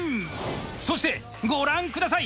そしてご覧下さい。